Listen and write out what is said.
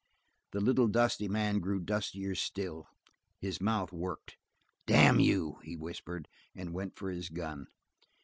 The little dusty man grew dustier still. His mouth worked. "Damn you," he whispered, and went for his gun.